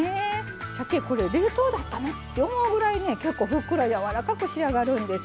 しゃけ、冷凍だったのって思うぐらい、ふっくらやわらかく仕上がるんです。